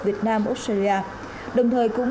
việt nam australia đồng thời cũng